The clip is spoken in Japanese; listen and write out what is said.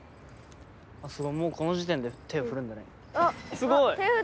すごい。